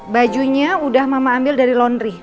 bajunya udah mama ambil dari laundry